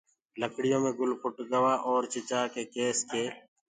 لڪڙيو مي گُل ڦُٽ گوآ اورَ چِچآڪي ڪيس ڪي